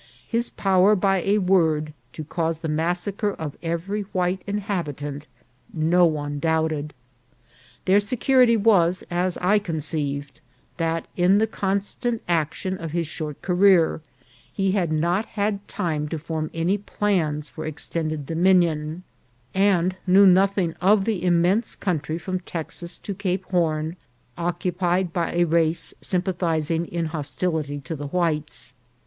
His power by a word to cause the massacre of every white inhabitant, no one doubted. Their security was, as I conceived, that, in the constant action of his short career, he had not had time to form any plans for ex tended dominion, and knew nothing of the immense country from Texas to Cape Horn, occupied by a race sympathizing in hostility to the whites.